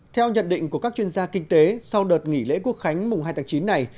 theo nhận định của các chuyên gia kinh tế sau đợt nghỉ lễ quốc khánh mùng hai tháng chín này